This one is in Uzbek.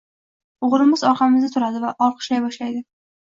O‘g‘limiz orqamizda turardi va olqishlay boshladi